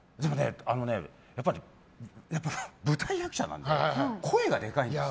やっぱり舞台役者なので声がでかいんですよ。